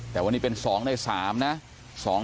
แต่วันนี้เป็นสองและสามนะสอง